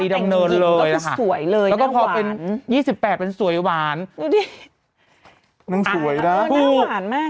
นี่นางหนุ่มตอนเป็นชายหนุ่ม